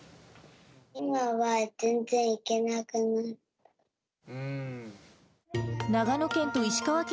今は全然行けなくなったから。